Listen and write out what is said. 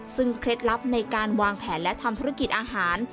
ซึ่งเคล็ดลับในการวางแผนและทำธุรกิจอาหาร